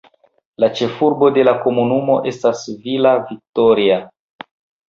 La ĉefurbo de la komunumo estas Villa Victoria.